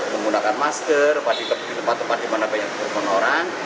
menggunakan masker di tempat tempat dimana banyak orang